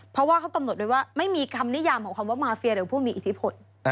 เพราะว่าเขากำหนดไว้ว่าไม่มีคำนิยามของคำว่ามาเฟียหรือผู้มีอิทธิพล